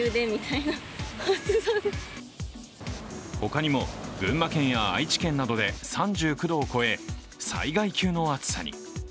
他にも群馬県や愛知県などで３９度を超え災害級の暑さに。